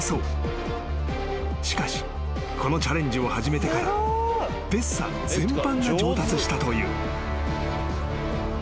［しかしこのチャレンジを始めてからデッサン全般が上達したという］